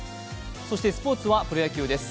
そして、スポーツはプロ野球です。